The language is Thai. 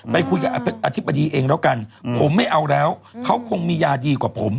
ไปคุยกับอธิบดีเองแล้วกันผมไม่เอาแล้วเขาคงมียาดีกว่าผม